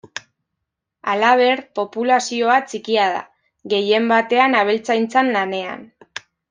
Halaber, populazioa txikia da, gehien batean abeltzaintzan lanean.